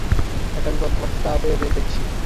একটা বিপদ ঘটাবে দেখছি।